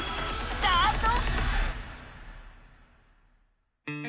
スタート！